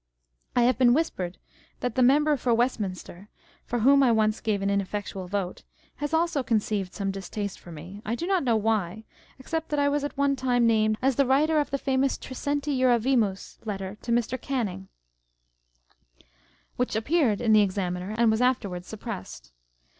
I have been whispered that the member for Westminster (for whom I once gave an ineffectual vote) has also conceived some distaste for me â€" I do not know why, except that I was at one time named as the writer of the famous Trecenti Juravimus Letter to Mr. Canning, 534 On the Jealousy and the Spleen of Party. which appeared in the Examiner and was afterwards suppressed.